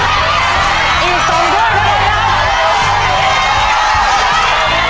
แม่ไปรอที่ละครัย